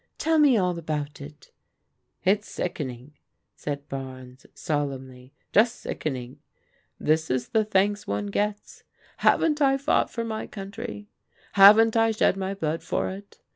"Tell me all about it." " It's sickening," said Barnes, solemnly, " just sicken ing. This is the thanks one gets. Haven't I fought for my country? Haven't I shed my blood for it?